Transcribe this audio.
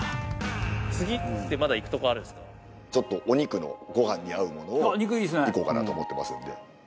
ちょっとお肉のご飯に合うものを行こうかなと思ってますんで。